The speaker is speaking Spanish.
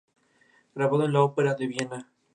Grabado en la Ópera de Viena.